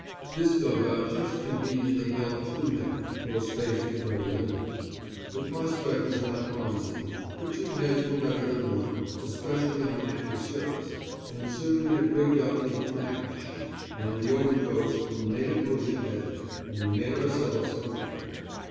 This dug out just conveniently held two men, though space was very limited. The prospect was not promising, but two heads were better than one, especially on active service, and soon we had rigged up the "mac." sheet and the overcoats and made a cosy bed, and we made ourselves comfortable.